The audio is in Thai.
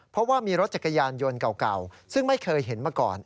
เพราะว่ามีรถจักรยานยนต์เก่าซึ่งไม่เคยเห็นมาก่อน